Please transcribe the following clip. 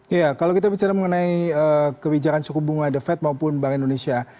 ya kalau kita bicara mengenai kebijakan suku bunga the fed maupun bank indonesia